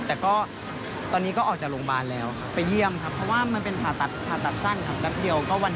แต่ตอนนี้ก็ออกจากโรงพยาบาลแล้ว